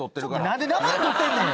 何で名前で取ってんねん。